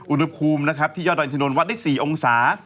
อุณหภูมิที่ยอดด่อนจนโดนวัดได้๔องศา